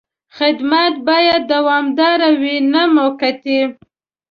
خدمت باید دوامداره وي، نه موقتي.